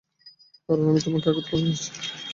কারণ আমি তোমাকে আঘাত করেছি।